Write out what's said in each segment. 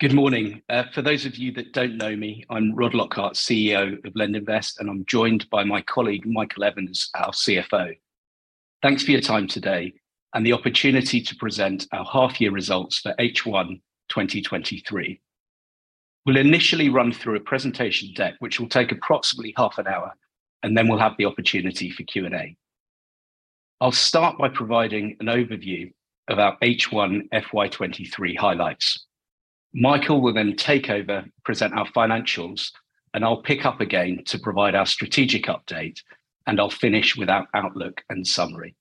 Good morning. For those of you that don't know me, I'm Rod Lockhart, CEO of LendInvest. I'm joined by my colleague, Michael Evans, our CFO. Thanks for your time today and the opportunity to present our half year results for H1 2023. We'll initially run through a presentation deck, which will take approximately half an hour. Then we'll have the opportunity for Q&A. I'll start by providing an overview of our H1 FY23 highlights. Michael will then take over, present our financials. I'll pick up again to provide our strategic update. I'll finish with our outlook and summary.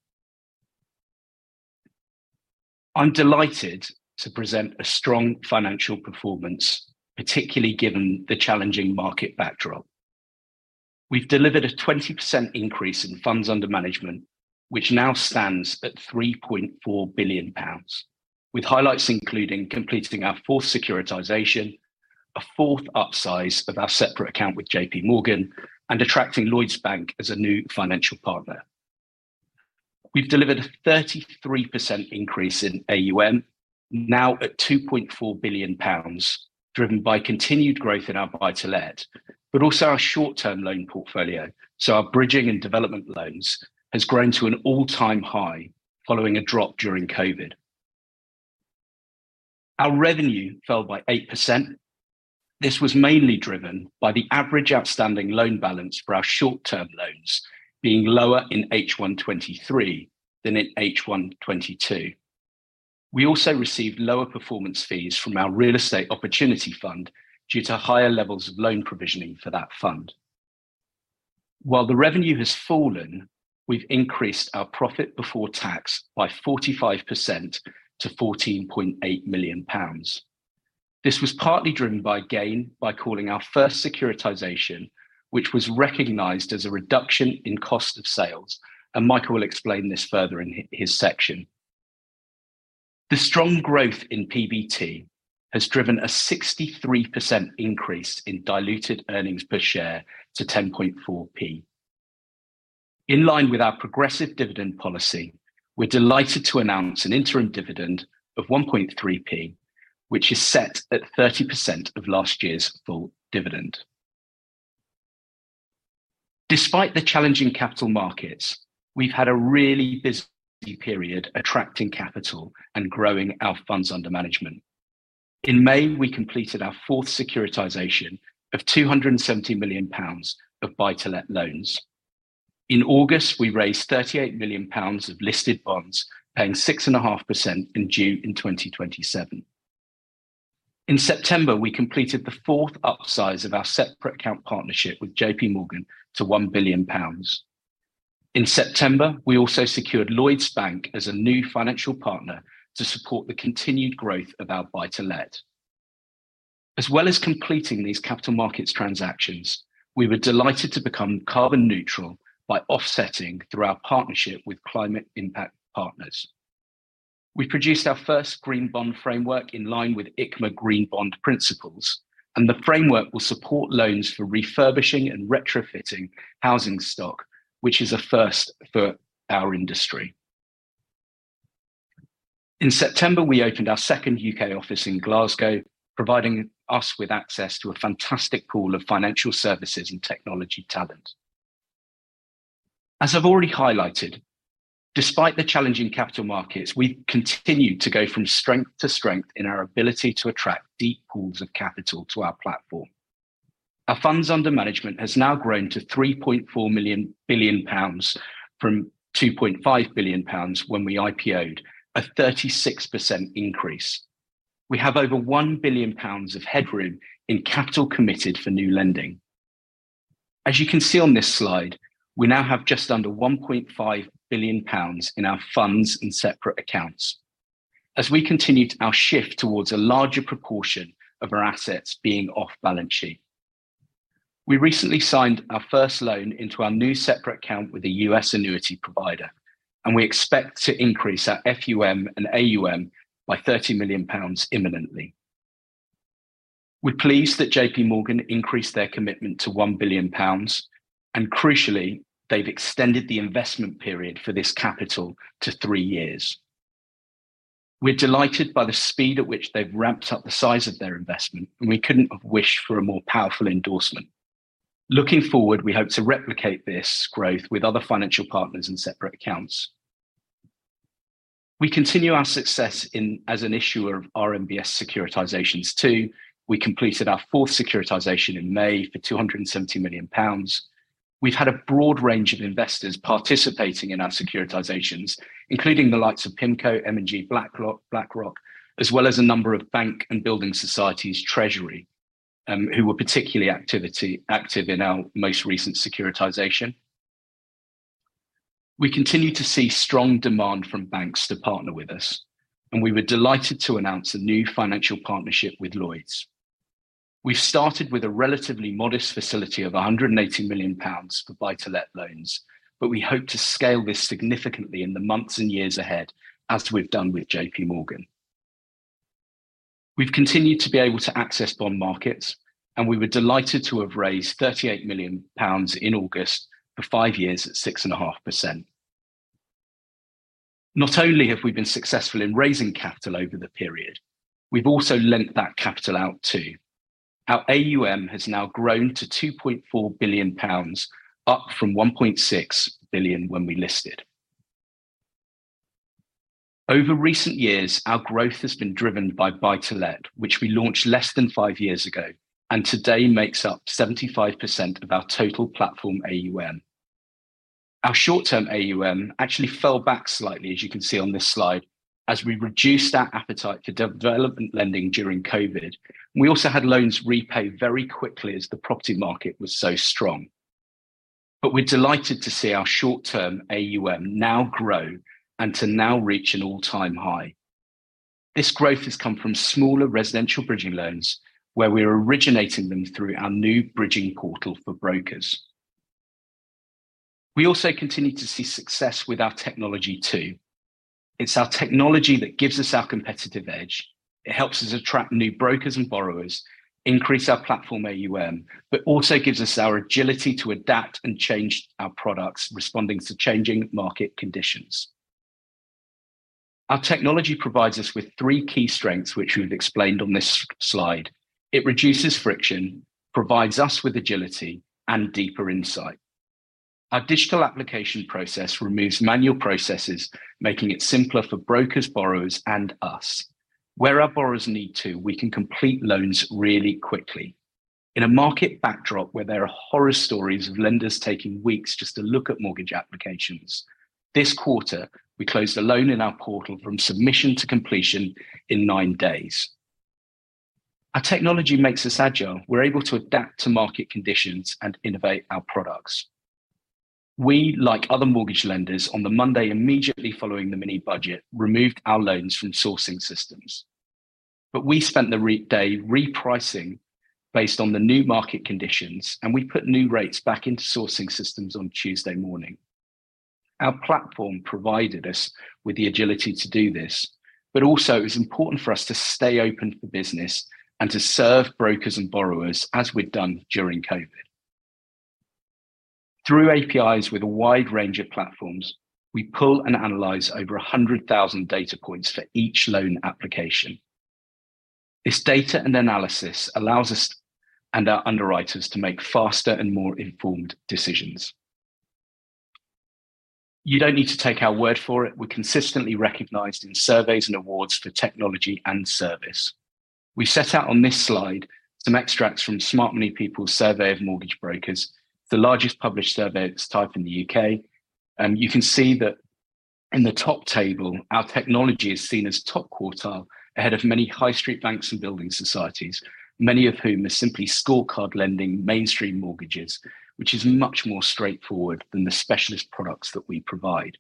I'm delighted to present a strong financial performance, particularly given the challenging market backdrop. We've delivered a 20% increase in funds under management, which now stands at 3.4 billion pounds, with highlights including completing our fourth securitization, a fourth upsize of our separate account with JP Morgan, and attracting Lloyds Bank as a new financial partner. We've delivered a 33% increase in AUM, now at 2.4 billion pounds, driven by continued growth in our Buy-to-Let, but also our short-term loan portfolio. Our bridging and development loans has grown to an all-time high following a drop during COVID. Our revenue fell by 8%. This was mainly driven by the average outstanding loan balance for our short-term loans being lower in H1 2023 than in H1 2022. We also received lower performance fees from our Real Estate Opportunity fund due to higher levels of loan provisioning for that fund. While the revenue has fallen, we've increased our profit before tax by 45% to 14.8 million pounds. This was partly driven by gain by calling our first securitization, which was recognized as a reduction in cost of sales. Michael will explain this further in his section. The strong growth in PBT has driven a 63% increase in Diluted Earnings Per Share to 0.104. In line with our progressive dividend policy, we're delighted to announce an interim dividend of 0.013, which is set at 30% of last year's full dividend. Despite the challenging capital markets, we've had a really busy period attracting capital and growing our funds under management. In May, we completed our fourth securitization of 270 million pounds of Buy-to-Let loans. In August, we raised 38 million pounds of listed bonds, paying 6.5% in due in 2027. In September, we completed the fourth upsize of our separate account partnership with JP Morgan to 1 billion pounds. In September, we also secured Lloyds Bank as a new financial partner to support the continued growth of our Buy-to-Let. As well as completing these capital markets transactions, we were delighted to become carbon neutral by offsetting through our partnership with Climate Impact Partners. We produced our first Green Bond Framework in line with ICMA Green Bond Principles. The framework will support loans for refurbishing and retrofitting housing stock, which is a first for our industry. In September, we opened our second U.K. office in Glasgow, providing us with access to a fantastic pool of financial services and technology talent. As I've already highlighted, despite the challenging capital markets, we've continued to go from strength to strength in our ability to attract deep pools of capital to our platform. Our funds under management has now grown to 3.4 billion pounds from 2.5 billion pounds when we IPO'd, a 36% increase. We have over 1 billion pounds of headroom in capital committed for new lending. As you can see on this slide, we now have just under 1.5 billion pounds in our funds and separate accounts as we continued our shift towards a larger proportion of our assets being off balance sheet. We recently signed our first loan into our new separate account with a US annuity provider, and we expect to increase our FUM and AUM by 30 million pounds imminently. We're pleased that JP Morgan increased their commitment to 1 billion pounds, and crucially, they've extended the investment period for this capital to 3 years. We're delighted by the speed at which they've ramped up the size of their investment, and we couldn't have wished for a more powerful endorsement. Looking forward, we hope to replicate this growth with other financial partners in separate accounts. We continue our success in as an issuer of RMBS securitizations, too. We completed our fourth securitization in May for 270 million pounds. We've had a broad range of investors participating in our securitizations, including the likes of PIMCO, M&G, BlackRock, as well as a number of bank and building societies treasury, who were particularly active in our most recent securitization. We continue to see strong demand from banks to partner with us. We were delighted to announce a new financial partnership with Lloyds. We started with a relatively modest facility of 180 million pounds for Buy-to-Let loans. We hope to scale this significantly in the months and years ahead as we've done with J.P. Morgan. We've continued to be able to access bond markets. We were delighted to have raised 38 million pounds in August for 5 years at 6.5%. Not only have we been successful in raising capital over the period, we've also lent that capital out too. Our AUM has now grown to 2.4 billion pounds, up from 1.6 billion when we listed. Over recent years, our growth has been driven by Buy-to-Let, which we launched less than five years ago, and today makes up 75% of our total platform AUM. Our short term AUM actually fell back slightly, as you can see on this slide, as we reduced our appetite for development lending during COVID. We also had loans repaid very quickly as the property market was so strong. We're delighted to see our short term AUM now grow and to now reach an all-time high. This growth has come from smaller residential bridging loans, where we're originating them through our new bridging portal for brokers. We also continue to see success with our technology too. It's our technology that gives us our competitive edge. It helps us attract new brokers and borrowers, increase our platform AUM, but also gives us our agility to adapt and change our products, responding to changing market conditions. Our technology provides us with 3 key strengths, which we've explained on this slide. It reduces friction, provides us with agility and deeper insight. Our digital application process removes manual processes, making it simpler for brokers, borrowers, and us. Where our borrowers need to, we can complete loans really quickly. In a market backdrop where there are horror stories of lenders taking weeks just to look at mortgage applications, this quarter, we closed a loan in our portal from submission to completion in 9 days. Our technology makes us agile. We're able to adapt to market conditions and innovate our products. We, like other mortgage lenders, on the Monday immediately following the mini budget, removed our loans from sourcing systems. We spent the day repricing based on the new market conditions, and we put new rates back into sourcing systems on Tuesday morning. Our platform provided us with the agility to do this, but also it was important for us to stay open for business and to serve brokers and borrowers as we'd done during COVID. Through APIs with a wide range of platforms, we pull and analyze over 100,000 data points for each loan application. This data and analysis allows us and our underwriters to make faster and more informed decisions. You don't need to take our word for it. We're consistently recognized in surveys and awards for technology and service. We set out on this slide some extracts from Smart Money People's Survey of Mortgage Brokers, the largest published survey of its type in the UK. You can see that in the top table, our technology is seen as top quartile, ahead of many high street banks and building societies, many of whom are simply scorecard lending mainstream mortgages, which is much more straightforward than the specialist products that we provide.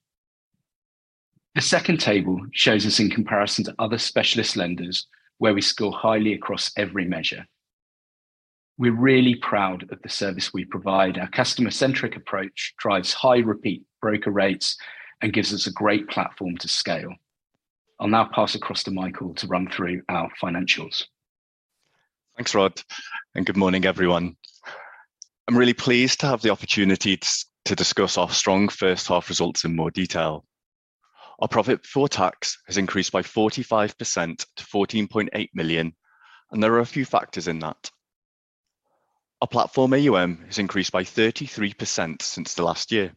The second table shows us in comparison to other specialist lenders where we score highly across every measure. We're really proud of the service we provide. Our customer-centric approach drives high repeat broker rates and gives us a great platform to scale. I'll now pass across to Michael to run through our financials. Thanks, Rod. Good morning, everyone. I'm really pleased to have the opportunity to discuss our strong first half results in more detail. Our profit before tax has increased by 45% to 14.8 million. There are a few factors in that. Our platform AUM has increased by 33% since the last year,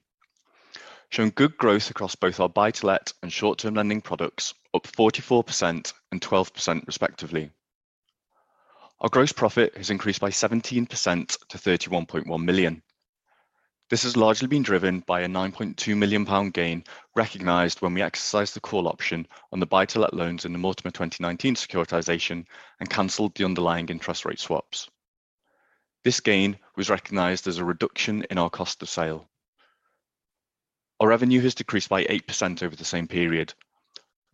showing good growth across both our Buy-to-Let and short-term lending products, up 44% and 12% respectively. Our gross profit has increased by 17% to 31.1 million. This has largely been driven by a 9.2 million pound gain recognized when we exercised the call option on the Buy-to-Let loans in the Mortimer 2019 securitization and canceled the underlying interest rate swaps. This gain was recognized as a reduction in our cost of sale. Our revenue has decreased by 8% over the same period,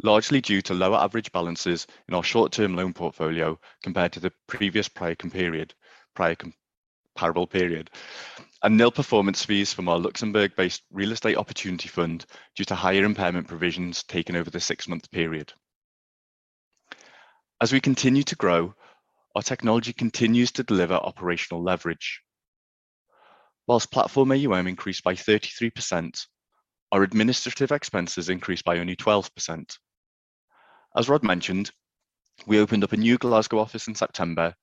largely due to lower average balances in our short term loan portfolio compared to the previous comparable period, and nil performance fees from our Luxembourg-based Real Estate Opportunity fund due to higher impairment provisions taken over the six-month period. Platform AUM increased by 33%, our administrative expenses increased by only 12%. As Rod mentioned, we opened up a new Glasgow office in September,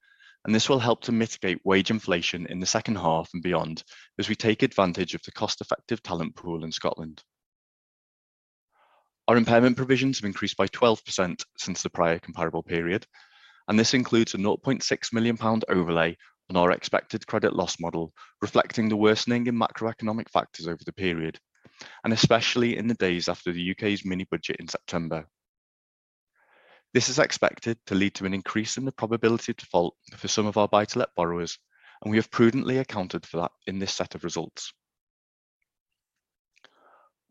this will help to mitigate wage inflation in the second half and beyond as we take advantage of the cost-effective talent pool in Scotland. Our impairment provisions have increased by 12% since the prior comparable period. This includes a 0.6 million pound overlay on our expected credit loss model, reflecting the worsening in macroeconomic factors over the period, especially in the days after the U.K.'s mini-budget in September. This is expected to lead to an increase in the probability of default for some of our Buy-to-Let borrowers. We have prudently accounted for that in this set of results.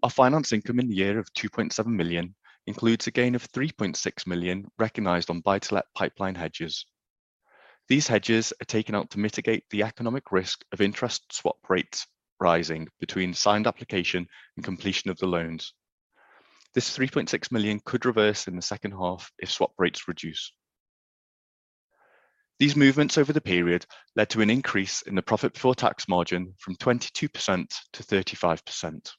Our finance income in the year of 2.7 million includes a gain of 3.6 million recognized on Buy-to-Let pipeline hedges. These hedges are taken out to mitigate the economic risk of interest swap rates rising between signed application and completion of the loans. This 3.6 million could reverse in the second half if swap rates reduce. These movements over the period led to an increase in the profit before tax margin from 22% to 35%.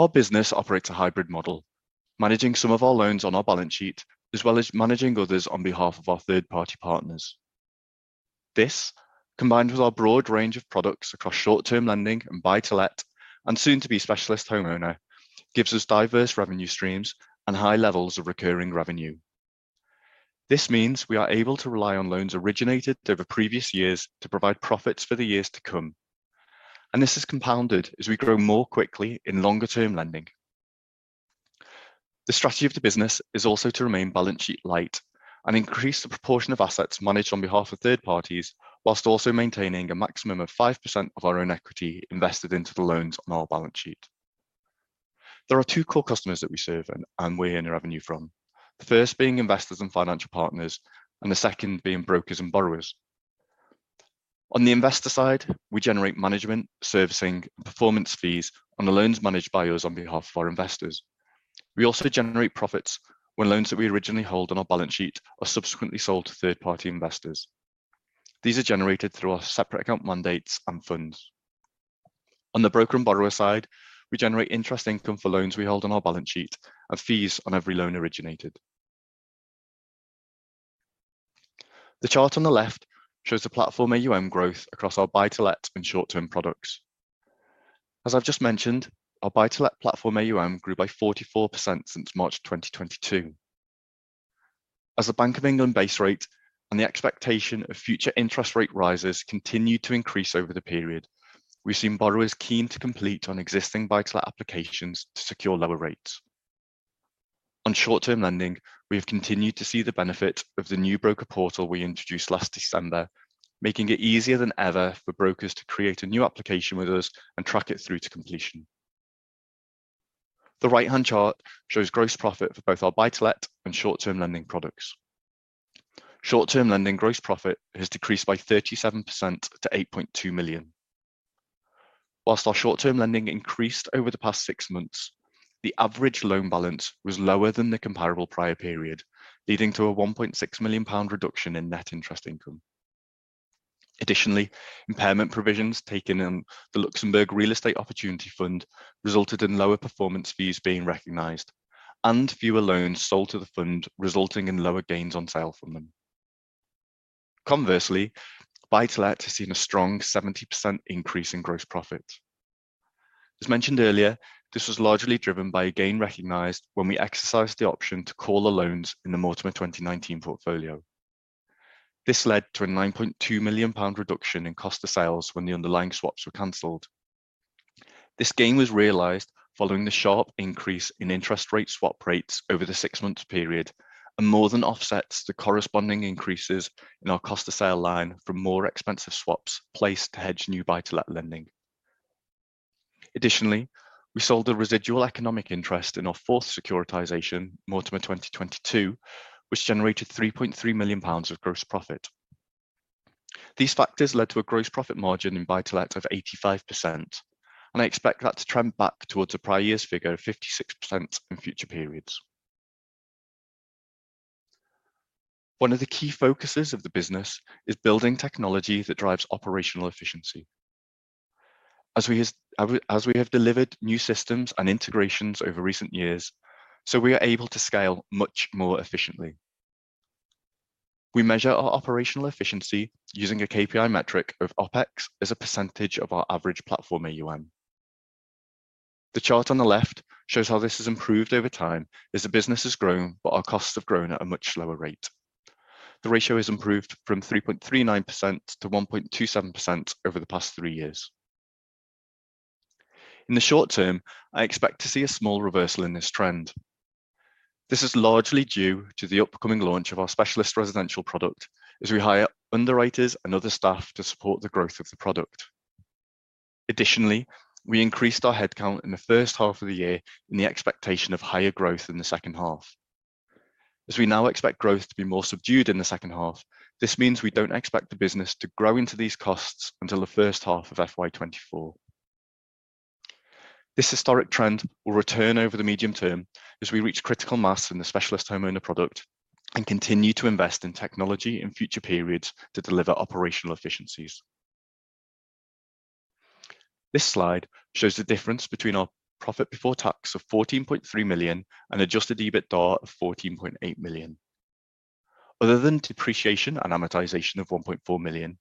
Our business operates a hybrid model, managing some of our loans on our balance sheet, as well as managing others on behalf of our third-party partners. This, combined with our broad range of products across short-term lending and Buy-to-Let, and soon to be specialist homeowner, gives us diverse revenue streams and high levels of recurring revenue. This means we are able to rely on loans originated over previous years to provide profits for the years to come. This is compounded as we grow more quickly in longer-term lending. The strategy of the business is also to remain balance sheet light and increase the proportion of assets managed on behalf of third parties, whilst also maintaining a maximum of 5% of our own equity invested into the loans on our balance sheet. There are two core customers that we serve and we earn our revenue from. The first being investors and financial partners, and the second being brokers and borrowers. On the investor side, we generate management, servicing, and performance fees on the loans managed by us on behalf of our investors. We also generate profits when loans that we originally hold on our balance sheet are subsequently sold to third-party investors. These are generated through our separate account mandates and funds. On the broker and borrower side, we generate interest income for loans we hold on our balance sheet and fees on every loan originated. The chart on the left shows the platform AUM growth across our Buy-to-Let and short-term products. As I've just mentioned, our Buy-to-Let platform AUM grew by 44% since March 2022. As the Bank of England base rate and the expectation of future interest rate rises continued to increase over the period, we've seen borrowers keen to complete on existing Buy-to-Let applications to secure lower rates. On short-term lending, we have continued to see the benefit of the new broker portal we introduced last December, making it easier than ever for brokers to create a new application with us and track it through to completion. The right-hand chart shows gross profit for both our Buy-to-Let and short-term lending products. Short-term lending gross profit has decreased by 37% to 8.2 million. Whilst our short-term lending increased over the past six months, the average loan balance was lower than the comparable prior period, leading to a 1.6 million pound reduction in net interest income. Additionally, impairment provisions taken in the Real Estate Opportunity fund resulted in lower performance fees being recognized and fewer loans sold to the fund, resulting in lower gains on sale from them. Conversely, Buy-to-Let has seen a strong 70% increase in gross profit. As mentioned earlier, this was largely driven by a gain recognized when we exercised the option to call the loans in the Mortimer BTL 2019-1 plc. This led to a 9.2 million pound reduction in cost of sales when the underlying swaps were canceled. This gain was realized following the sharp increase in interest rate swap rates over the six-month period, and more than offsets the corresponding increases in our cost of sale line from more expensive swaps placed to hedge new Buy-to-Let lending. Additionally, we sold a residual economic interest in our fourth securitization, Mortimer BTL 2022-1, which generated 3.3 million pounds of gross profit. These factors led to a gross profit margin in Buy-to-Let of 85%, and I expect that to trend back towards the prior year's figure of 56% in future periods. One of the key focuses of the business is building technology that drives operational efficiency. As we have delivered new systems and integrations over recent years, so we are able to scale much more efficiently. We measure our operational efficiency using a KPI metric of OpEx as a percentage of our average platform AUM. The chart on the left shows how this has improved over time as the business has grown, but our costs have grown at a much slower rate. The ratio has improved from 3.39% to 1.27% over the past three years. In the short term, I expect to see a small reversal in this trend. This is largely due to the upcoming launch of our specialist residential product as we hire underwriters and other staff to support the growth of the product. Additionally, we increased our headcount in the first half of the year in the expectation of higher growth in the second half. As we now expect growth to be more subdued in the second half, this means we don't expect the business to grow into these costs until the first half of FY24. This historic trend will return over the medium term as we reach critical mass in the specialist homeowner product and continue to invest in technology in future periods to deliver operational efficiencies. This slide shows the difference between our profit before tax of 14.3 million and Adjusted EBITDA of 14.8 million. Other than depreciation and amortization of 1.4 million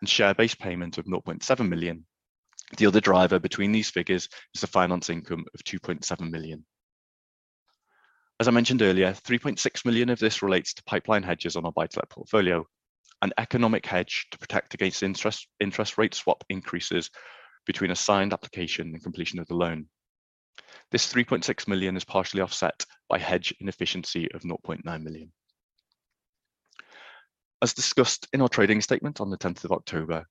and share-based payment of 0.7 million, the other driver between these figures is the finance income of 2.7 million. As I mentioned earlier, 3.6 million of this relates to pipeline hedges on our Buy-to-Let portfolio, an economic hedge to protect against interest rate swap increases between a signed application and completion of the loan. This 3.6 million is partially offset by hedge inefficiency of 0.9 million. As discussed in our trading statement on the 10th of October,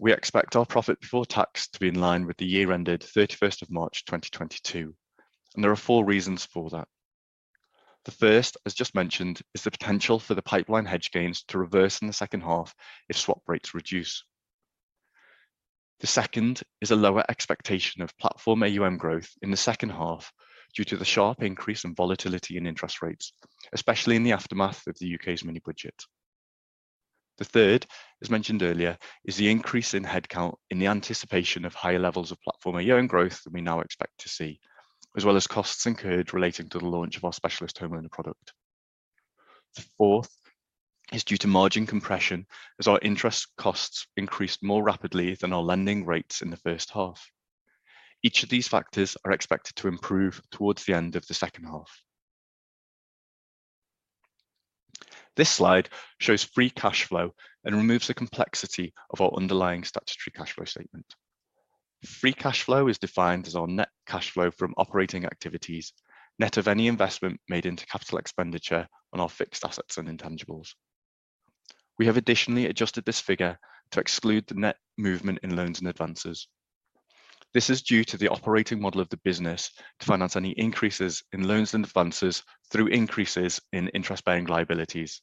we expect our profit before tax to be in line with the year ended 31st of March 2022. There are four reasons for that. The first, as just mentioned, is the potential for the pipeline hedge gains to reverse in the second half if swap rates reduce. The second is a lower expectation of platform AUM growth in the second half due to the sharp increase in volatility and interest rates, especially in the aftermath of the U.K.'s mini-budget. The third, as mentioned earlier, is the increase in headcount in the anticipation of higher levels of platform AUM growth than we now expect to see, as well as costs incurred relating to the launch of our specialist homeowner product. Fourth is due to margin compression as our interest costs increased more rapidly than our lending rates in the first half. Each of these factors are expected to improve towards the end of the second half. This slide shows free cash flow and removes the complexity of our underlying statutory cash flow statement. Free cash flow is defined as our net cash flow from operating activities, net of any investment made into capital expenditure on our fixed assets and intangibles. We have additionally adjusted this figure to exclude the net movement in loans and advances. This is due to the operating model of the business to finance any increases in loans and advances through increases in interest-bearing liabilities,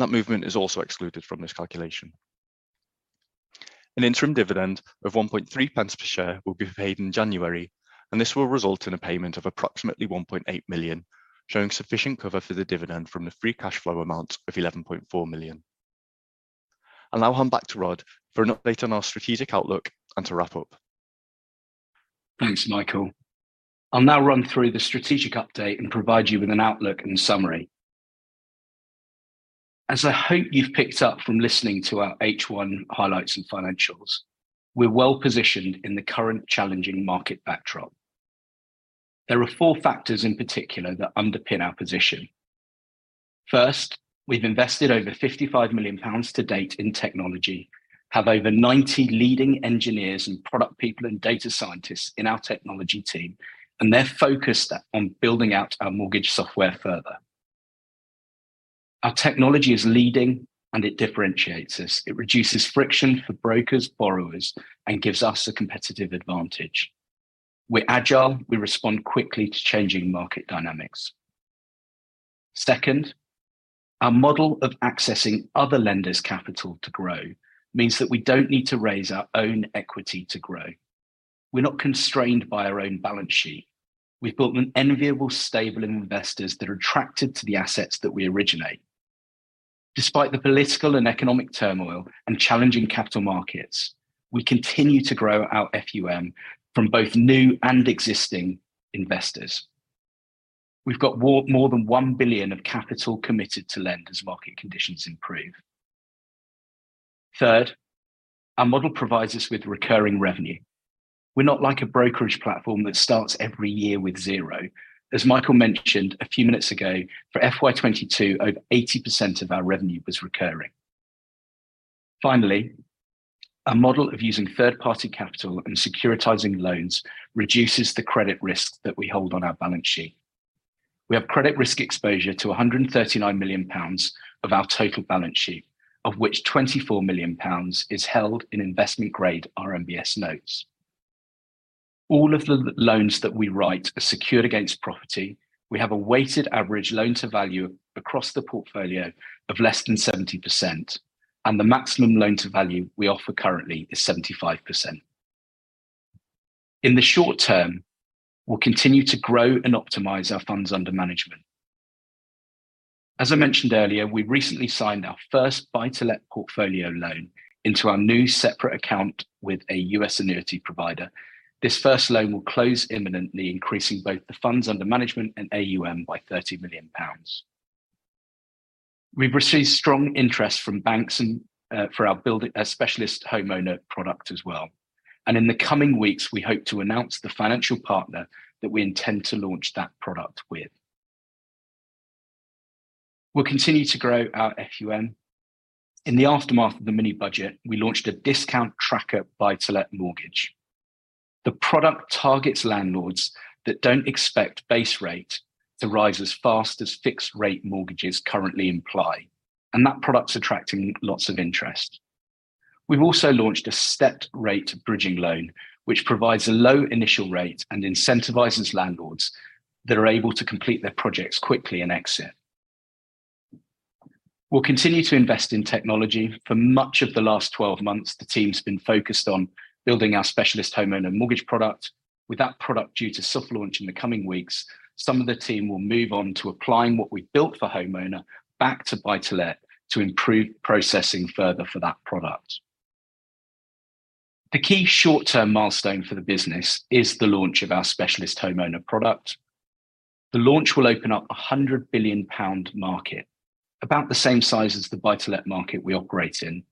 that movement is also excluded from this calculation. An interim dividend of 0.013 per share will be paid in January, this will result in a payment of approximately 1.8 million, showing sufficient cover for the dividend from the free cash flow amount of 11.4 million. I'll now hand back to Rod for an update on our strategic outlook and to wrap up. Thanks, Michael. I'll now run through the strategic update and provide you with an outlook and summary. As I hope you've picked up from listening to our H1 highlights and financials, we're well-positioned in the current challenging market backdrop. There are four factors in particular that underpin our position. First, we've invested over 55 million pounds to date in technology, have over 90 leading engineers and product people and data scientists in our technology team, and they're focused on building out our mortgage software further. Our technology is leading, and it differentiates us. It reduces friction for brokers, borrowers, and gives us a competitive advantage. We're agile. We respond quickly to changing market dynamics. Second, our model of accessing other lenders' capital to grow means that we don't need to raise our own equity to grow. We're not constrained by our own balance sheet. We've built an enviable stable in investors that are attracted to the assets that we originate. Despite the political and economic turmoil and challenging capital markets, we continue to grow our FUM from both new and existing investors. We've got more than 1 billion of capital committed to lend as market conditions improve. Our model provides us with recurring revenue. We're not like a brokerage platform that starts every year with zero. As Michael mentioned a few minutes ago, for FY22, over 80% of our revenue was recurring. Our model of using third-party capital and securitizing loans reduces the credit risk that we hold on our balance sheet. We have credit risk exposure to 139 million pounds of our total balance sheet, of which 24 million pounds is held in investment-grade RMBS notes. All of the loans that we write are secured against property. We have a weighted average loan-to-value across the portfolio of less than 70%, and the maximum loan-to-value we offer currently is 75%. In the short term, we'll continue to grow and optimize our funds under management. As I mentioned earlier, we recently signed our first Buy-to-Let portfolio loan into our new separate account with a US annuity provider. This first loan will close imminently, increasing both the funds under management and AUM by 30 million pounds. We've received strong interest from banks for our specialist homeowner product as well. In the coming weeks, we hope to announce the financial partner that we intend to launch that product with. We'll continue to grow our FUM. In the aftermath of the mini-budget, we launched a discount tracker Buy-to-Let mortgage. The product targets landlords that don't expect base rate to rise as fast as fixed-rate mortgages currently imply, and that product's attracting lots of interest. We've also launched a stepped-rate bridging loan, which provides a low initial rate and incentivizes landlords that are able to complete their projects quickly and exit. We'll continue to invest in technology. For much of the last 12 months, the team's been focused on building our Specialist Homeowner mortgage product. With that product due to soft launch in the coming weeks, some of the team will move on to applying what we've built for homeowner back to Buy-to-Let to improve processing further for that product. The key short-term milestone for the business is the launch of our Specialist Homeowner product. The launch will open up a 100 billion pound market, about the same size as the Buy-to-Let market we operate in.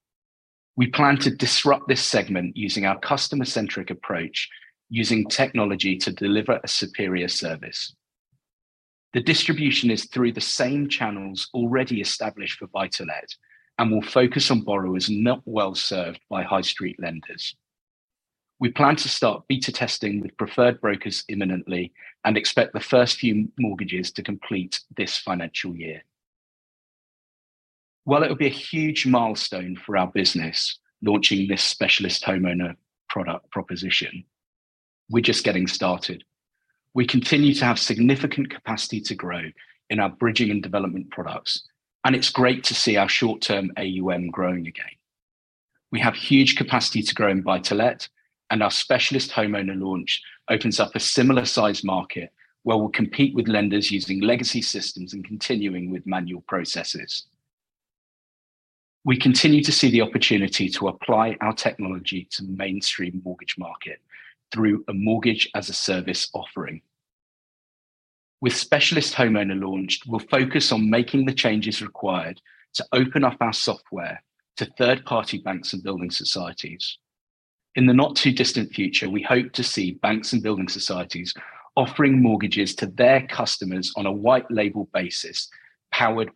We plan to disrupt this segment using our customer-centric approach, using technology to deliver a superior service. The distribution is through the same channels already established for Buy-to-Let and will focus on borrowers not well-served by high street lenders. We plan to start beta testing with preferred brokers imminently and expect the first few mortgages to complete this financial year. While it'll be a huge milestone for our business launching this specialist homeowner product proposition. We're just getting started. We continue to have significant capacity to grow in our bridging and development products. It's great to see our short-term AUM growing again. We have huge capacity to grow in Buy-to-Let. Our specialist homeowner launch opens up a similar size market where we'll compete with lenders using legacy systems and continuing with manual processes. We continue to see the opportunity to apply our technology to the mainstream mortgage market through a mortgage as a service offering. With specialist homeowner launched, we'll focus on making the changes required to open up our software to third-party banks and building societies. In the not-too-distant future, we hope to see banks and building societies offering mortgages to their customers on a white label basis, powered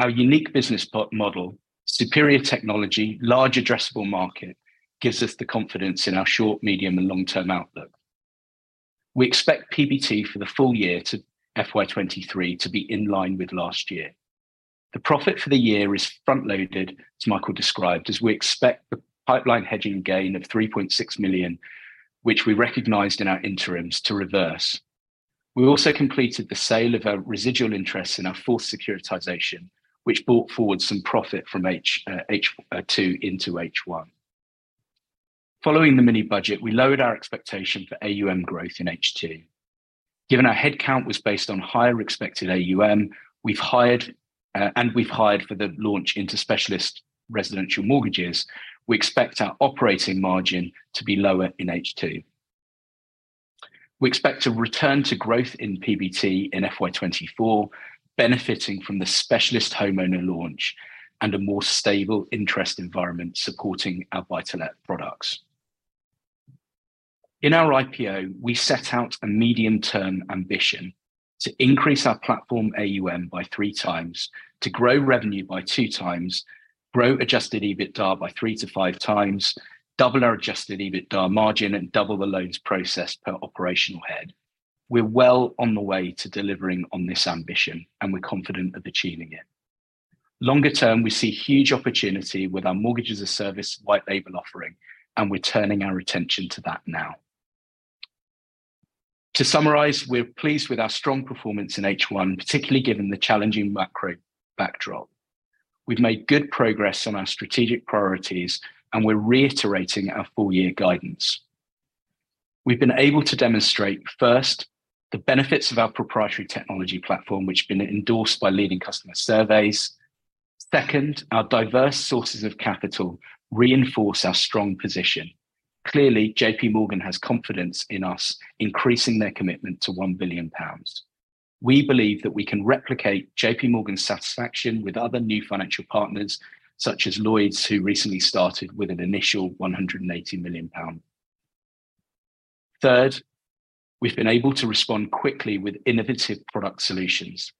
by LendInvest Genesis technology. Our unique business model, superior technology, large addressable market gives us the confidence in our short, medium, and long-term outlook. We expect PBT for the full year to FY23 to be in line with last year. The profit for the year is front-loaded, as Michael Evans described, as we expect the pipeline hedging gain of 3.6 million, which we recognized in our interims, to reverse. We also completed the sale of our residual interest in our fourth securitization, which brought forward some profit from H2 into H1. Following the mini-budget, we lowered our expectation for AUM growth in H2. Given our head count was based on higher expected AUM, we've hired for the launch into specialist residential mortgages, we expect our operating margin to be lower in H2. We expect to return to growth in PBT in FY24, benefiting from the specialist homeowner launch and a more stable interest environment supporting our Buy-to-Let products. In our IPO, we set out a medium-term ambition to increase our platform AUM by 3x, to grow revenue by 2x, grow adjusted EBITDA by 3x-5x, double our adjusted EBITDA margin, and double the loans processed per operational head. We're well on the way to delivering on this ambition, and we're confident of achieving it. Longer term, we see huge opportunity with our mortgage as a service white label offering, and we're turning our attention to that now. To summarize, we're pleased with our strong performance in H1, particularly given the challenging macro backdrop. We've made good progress on our strategic priorities, and we're reiterating our full year guidance. We've been able to demonstrate, first, the benefits of our proprietary technology platform, which have been endorsed by leading customer surveys. Second, our diverse sources of capital reinforce our strong position. Clearly, JP Morgan has confidence in us, increasing their commitment to 1 billion pounds. We believe that we can replicate JP Morgan's satisfaction with other new financial partners, such as Lloyds, who recently started with an initial 180 million pound. Third, we've been able to respond quickly with innovative product solutions.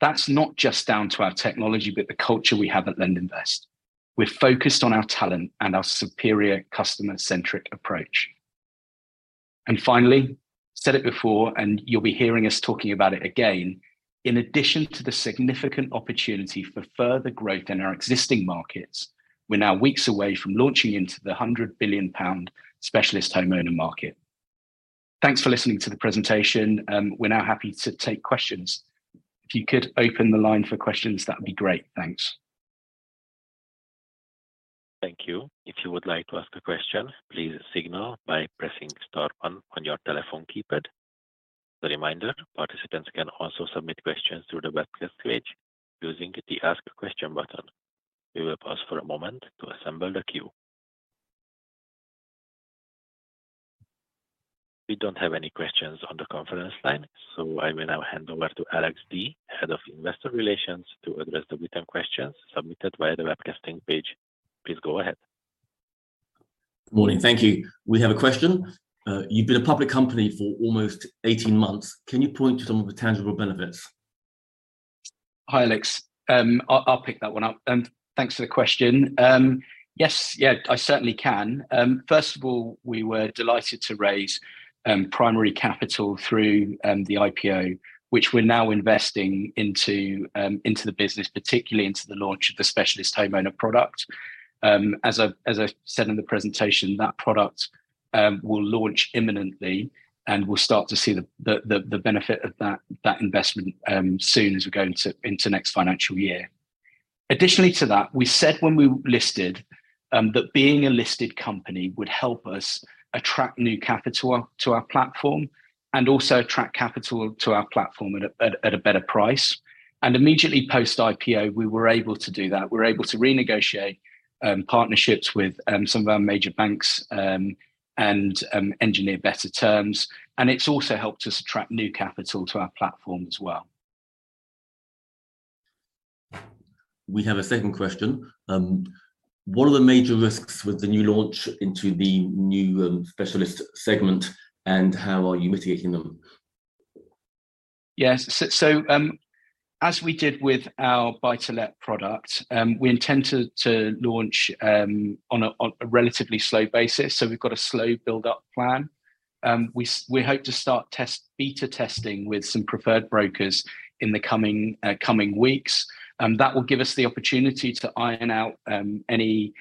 That's not just down to our technology but the culture we have at LendInvest. We're focused on our talent and our superior customer-centric approach. Finally, said it before, and you'll be hearing us talking about it again, in addition to the significant opportunity for further growth in our existing markets, we're now weeks away from launching into the 100 billion pound specialist homeowner market. Thanks for listening to the presentation. We're now happy to take questions. If you could open the line for questions, that would be great. Thanks. Thank you. If you would like to ask a question, please signal by pressing star one on your telephone keypad. A reminder, participants can also submit questions through the webcast page using the Ask Question button. We will pause for a moment to assemble the queue. We don't have any questions on the conference line. I will now hand over to Alex Dunning, Head of Investor Relations, to address the written questions submitted via the webcasting page. Please go ahead. Morning. Thank you. We have a question. You've been a public company for almost 18 months. Can you point to some of the tangible benefits? Hi, Alex. I'll pick that one up. Thanks for the question. Yes, yeah, I certainly can. First of all, we were delighted to raise primary capital through the IPO, which we're now investing into the business, particularly into the launch of the Specialist Homeowner product. As I said in the presentation, that product will launch imminently, and we'll start to see the benefit of that investment soon as we go into next financial year. Additionally to that, we said when we listed, that being a listed company would help us attract new capital to our platform and also attract capital to our platform at a better price. Immediately post-IPO, we were able to do that. We were able to renegotiate, partnerships with, some of our major banks, and, engineer better terms. It's also helped us attract new capital to our platform as well. We have a second question. What are the major risks with the new launch into the new specialist segment, and how are you mitigating them? As we did with our Buy-to-Let product, we intend to launch on a relatively slow basis, so we've got a slow build-up plan. We hope to start beta testing with some preferred brokers in the coming weeks. That will give us the opportunity to iron out any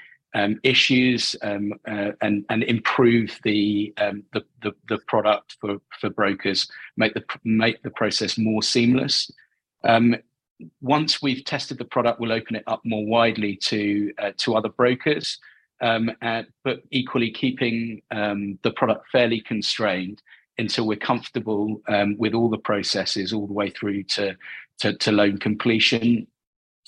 issues, and improve the product for brokers, make the process more seamless. Once we've tested the product, we'll open it up more widely to other brokers, but equally keeping the product fairly constrained until we're comfortable with all the processes all the way through to loan completion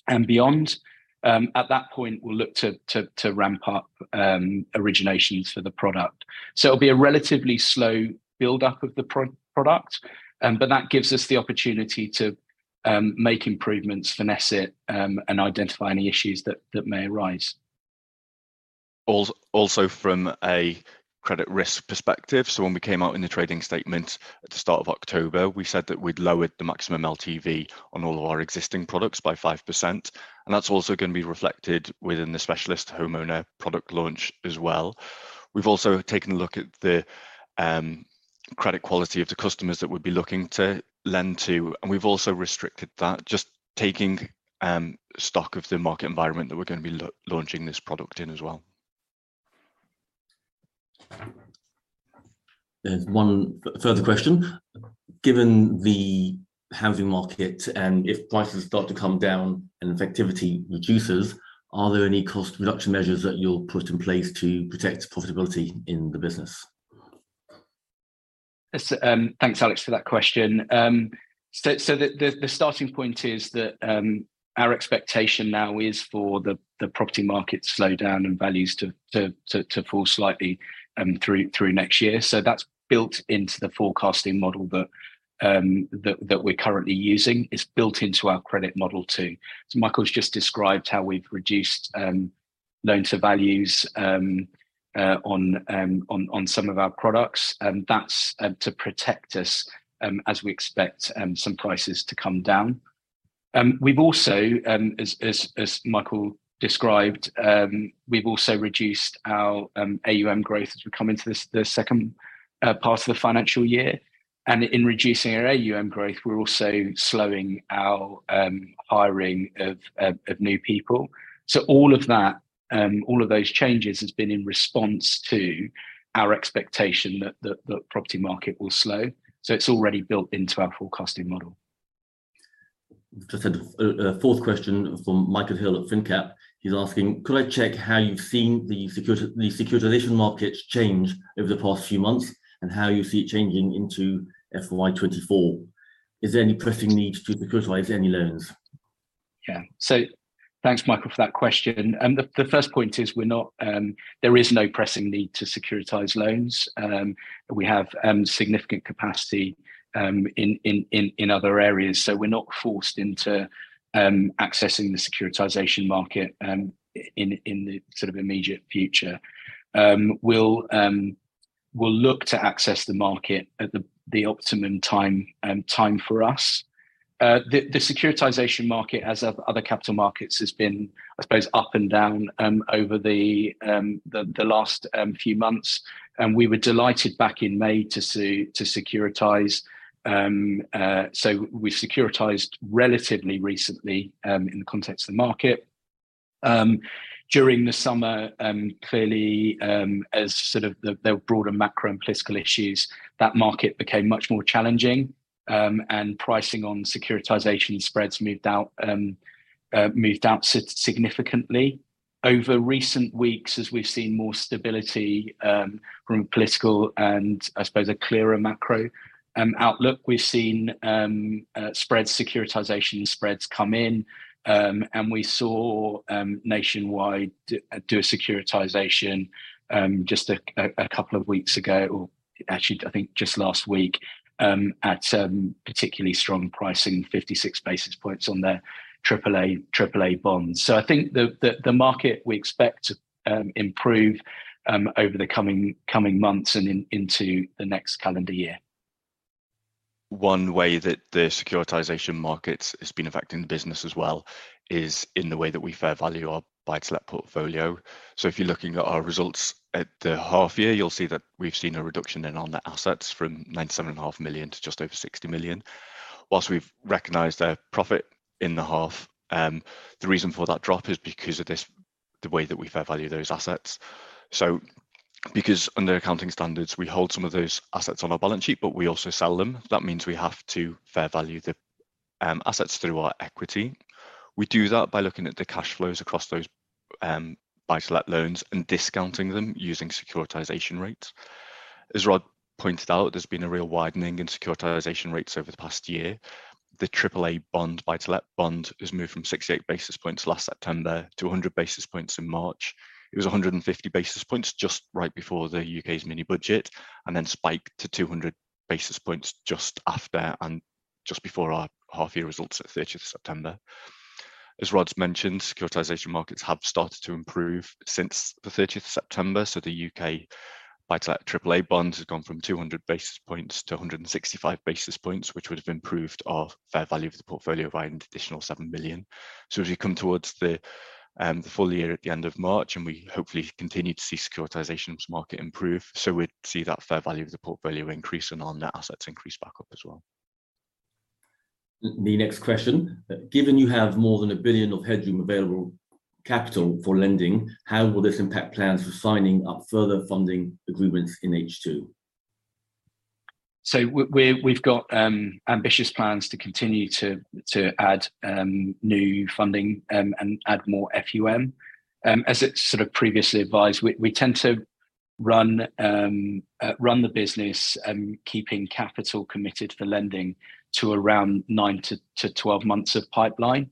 and beyond. At that point, we'll look to ramp up originations for the product. It'll be a relatively slow build up of the product, but that gives us the opportunity to make improvements, finesse it, and identify any issues that may arise. Also from a credit risk perspective, when we came out in the trading statement at the start of October, we said that we'd lowered the maximum LTV on all of our existing products by 5%, and that's also gonna be reflected within the Specialist Homeowner product launch as well. We've also taken a look at the credit quality of the customers that we'd be looking to lend to, and we've also restricted that, just taking stock of the market environment that we're gonna be launching this product in as well. There's one further question. Given the housing market, and if prices start to come down and effectivity reduces, are there any cost reduction measures that you'll put in place to protect profitability in the business? Thanks, Alex, for that question. The starting point is that our expectation now is for the property market to slow down and values to fall slightly through next year. That's built into the forecasting model that we're currently using. It's built into our credit model too. Michael's just described how we've reduced loan-to-values on some of our products, and that's to protect us as we expect some prices to come down. We've also, as Michael described, reduced our AUM growth as we come into this, the second part of the financial year. In reducing our AUM growth, we're also slowing our hiring of new people. All of that, all of those changes has been in response to our expectation that the property market will slow. It's already built into our forecasting model. Just had a fourth question from Michael Hill at finnCap. He's asking, "Could I check how you've seen the securitization markets change over the past few months and how you see it changing into FY24? Is there any pressing need to securitize any loans? Yeah. Thanks, Alex, for that question. The first point is we're not, there is no pressing need to securitize loans. We have significant capacity in other areas, so we're not forced into accessing the securitization market in the sort of immediate future. We'll look to access the market at the optimum time for us. The securitization market as of other capital markets has been, I suppose, up and down over the last few months. We were delighted back in May to securitize. We securitized relatively recently in the context of the market. During the summer, clearly, as sort of the broader macro and political issues, that market became much more challenging, and pricing on securitization spreads moved out significantly. Over recent weeks, as we've seen more stability from political and I suppose a clearer macro outlook, we've seen spreads, securitization spreads come in, and we saw Nationwide do a securitization just a couple of weeks ago, or actually I think just last week, at some particularly strong pricing, 56 basis points on their AAA bonds. I think the market we expect to improve over the coming months and into the next calendar year. One way that the securitization market has been affecting the business as well is in the way that we fair value our Buy-to-Let portfolio. If you're looking at our results at the half year, you'll see that we've seen a reduction in on the assets from 97.5 million to just over 60 million. Whilst we've recognized a profit in the half, the reason for that drop is because of this, the way that we fair value those assets. Because under accounting standards, we hold some of those assets on our balance sheet, but we also sell them, that means we have to fair value the assets through our equity. We do that by looking at the cash flows across those Buy-to-Let loans and discounting them using securitization rates. As Rod pointed out, there's been a real widening in securitization rates over the past year. The AAA bond, Buy-to-Let bond has moved from 68 basis points last September to 100 basis points in March. It was 150 basis points just right before the UK's mini-budget, and then spiked to 200 basis points just after and just before our half year results at the 3rd of September. As Rod's mentioned, securitization markets have started to improve since the 13th of September, so the UK Buy-to-Let AAA bonds have gone from 200 basis points to 165 basis points, which would have improved our fair value of the portfolio by an additional 7 million. As we come towards the full year at the end of March, and we hopefully continue to see securitizations market improve, so we'd see that fair value of the portfolio increase and our net assets increase back up as well. The next question. Given you have more than 1 billion of headroom available capital for lending, how will this impact plans for signing up further funding agreements in H2? We've got ambitious plans to continue to add new funding and add more FUM. As it's sort of previously advised, we tend to run the business, keeping capital committed for lending to around 9 to 12 months of pipeline.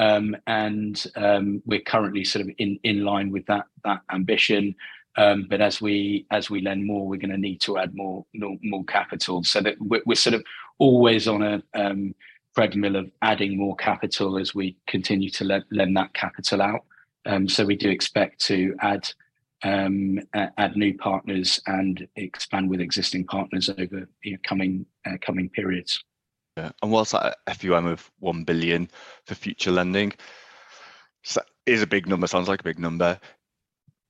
We're currently sort of in line with that ambition. As we lend more, we're gonna need to add more capital so that we're sort of always on a treadmill of adding more capital as we continue to lend that capital out. We do expect to add new partners and expand with existing partners over, you know, coming periods. Whilst that FUM of 1 billion for future lending is a big number, sounds like a big number,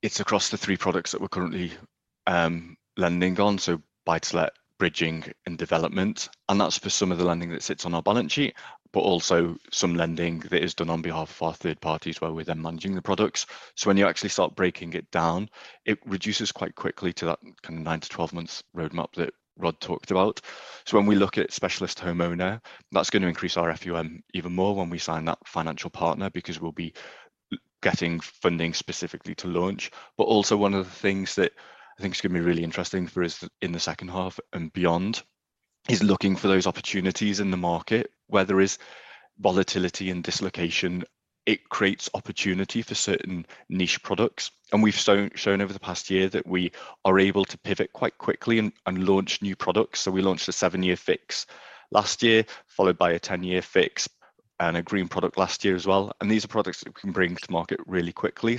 it's across the 3 products that we're currently lending on, so Buy-to-Let, bridging and development. That's for some of the lending that sits on our balance sheet, but also some lending that is done on behalf of our third parties where we're then managing the products. When you actually start breaking it down, it reduces quite quickly to that kind of 9-12 months roadmap that Rod talked about. When we look at specialist homeowner, that's gonna increase our FUM even more when we sign that financial partner because we'll be getting funding specifically to launch. Also one of the things that I think is gonna be really interesting for us in the second half and beyond is looking for those opportunities in the market where there is volatility and dislocation. It creates opportunity for certain niche products. We've shown over the past year that we are able to pivot quite quickly and launch new products. We launched a 7-year fix last year, followed by a 10-year fix and a green product last year as well. These are products that we can bring to market really quickly.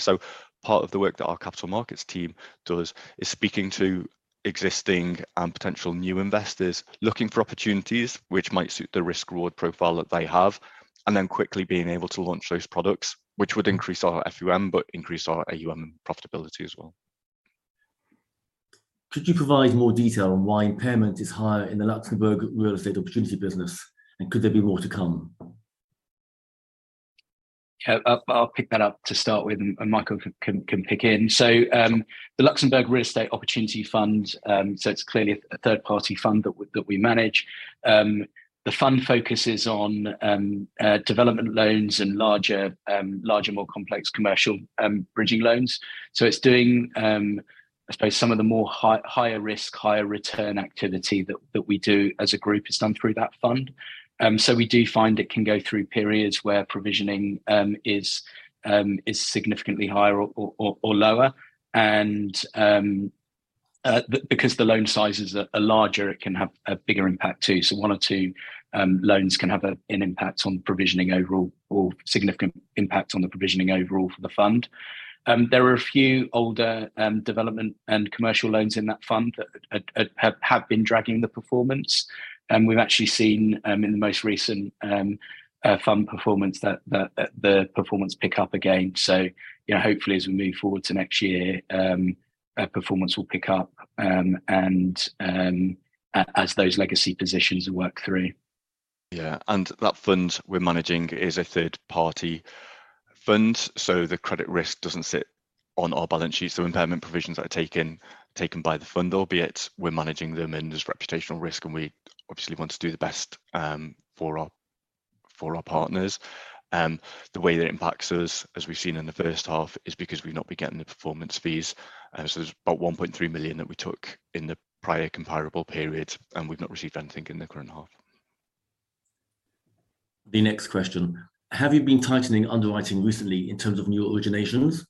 Part of the work that our capital markets team does is speaking to existing and potential new investors, looking for opportunities which might suit the risk reward profile that they have, and then quickly being able to launch those products, which would increase our FUM, but increase our AUM profitability as well. Could you provide more detail on why impairment is higher in the Luxembourg Real Estate Opportunity business? Could there be more to come? I'll pick that up to start with and Michael can pick in. The Luxembourg Real Estate Opportunity fund, it's clearly a third party fund that we manage. The fund focuses on development loans and larger more complex commercial bridging loans. It's doing, I suppose, some of the more higher risk, higher return activity that we do as a group is done through that fund. We do find it can go through periods where provisioning is significantly higher or lower. Because the loan sizes are larger, it can have a bigger impact too. One or two loans can have an impact on provisioning overall or significant impact on the provisioning overall for the fund. There are a few older, development and commercial loans in that fund that have been dragging the performance. We've actually seen, in the most recent, fund performance that, the performance pick up again. You know, hopefully as we move forward to next year, performance will pick up, and, as those legacy positions work through. That fund we're managing is a third party fund. The credit risk doesn't sit on our balance sheet. Impairment provisions are taken by the fund, albeit we're managing them and there's reputational risk and we obviously want to do the best for our partners. The way that impacts us, as we've seen in the first half, is because we've not been getting the performance fees. There's about 1.3 million that we took in the prior comparable period. We've not received anything in the current half. The next question. Have you been tightening underwriting recently in terms of new originations,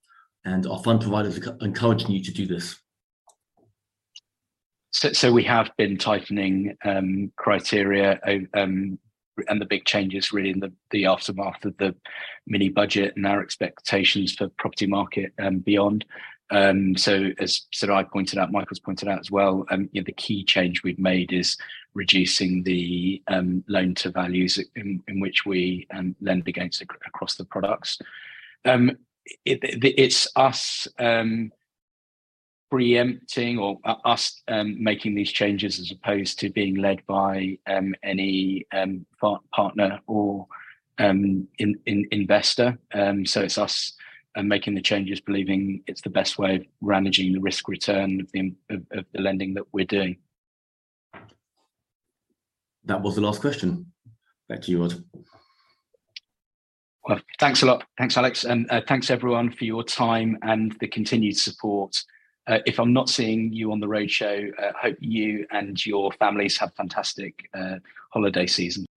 and are fund providers encouraging you to do this? We have been tightening criteria and the big changes really in the aftermath of the mini-budget and our expectations for property market and beyond. As I pointed out, Michael's pointed out as well, you know, the key change we've made is reducing the loan-to-values in which we lend against across the products. It's us preempting or us making these changes as opposed to being led by any partner or investor. It's us making the changes, believing it's the best way of managing the risk return of the lending that we're doing. That was the last question. Back to you, Rod. Well, thanks a lot. Thanks Alex, and thanks everyone for your time and the continued support. If I'm not seeing you on the roadshow, I hope you and your families have a fantastic holiday season.